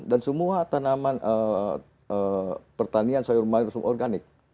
dan semua tanaman pertanian sayur mayur semuanya organik